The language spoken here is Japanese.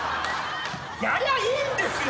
やりゃいいんですよ。